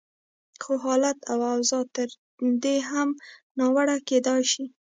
خو حالت او اوضاع تر دې هم ناوړه کېدای شي.